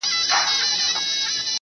په خپل وجود پسې مې ځان ګرځي